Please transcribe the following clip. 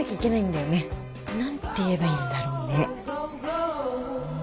何て言えばいいんだろうね？